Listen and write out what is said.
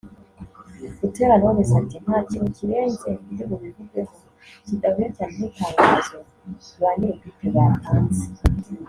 Butera Knowless ati “ Nta kintu kirenze ndibubivugeho kidahuye cyane n’itangazo ba nyir’ubwite batanze